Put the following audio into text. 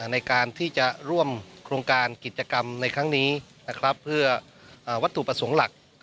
ในการที่จะร่วมโครงการกิจกรรมในครั้งนี้นะครับเพื่อวัตถุประสงค์หลัก